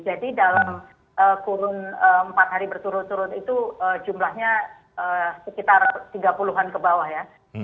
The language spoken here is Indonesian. jadi dalam kurun empat hari berturut turut itu jumlahnya sekitar tiga puluh an ke bawah ya